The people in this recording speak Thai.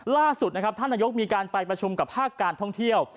ล่าสุดนะครับท่านนายกมีการไปประชุมกับภาคการท่องเที่ยว